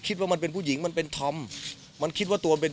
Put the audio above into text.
คิดว่ามันเป็นผู้หญิงมันเป็นธอมมันคิดว่าตัวมันเป็น